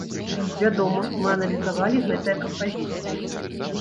Вядома, мы аналізавалі гэтыя кампазіцыі.